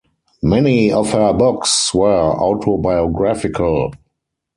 Many of her books were autobiographical.